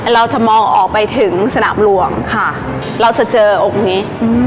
เราจะมองออกไปถึงสนามหลวงค่ะเราจะเจอองค์นี้